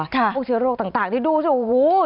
เชื้อโรคต่างที่ดู